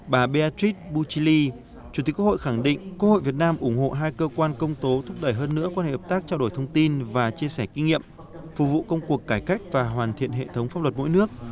bà beatrid buchili chủ tịch quốc hội khẳng định quốc hội việt nam ủng hộ hai cơ quan công tố thúc đẩy hơn nữa quan hệ hợp tác trao đổi thông tin và chia sẻ kinh nghiệm phục vụ công cuộc cải cách và hoàn thiện hệ thống pháp luật mỗi nước